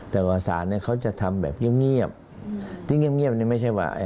แต่ภาษาเขาจะทำแบบเงียบที่เงียบนี่ไม่ใช่ว่า